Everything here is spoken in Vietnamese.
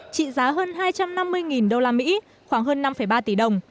trị giá hơn hai trăm năm mươi usd khoảng hơn năm ba tỷ đồng